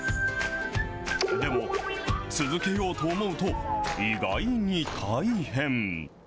でも、続けようと思うと意外に大変。